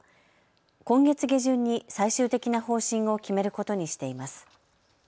今月下旬に最終的な方針を決めることにしています。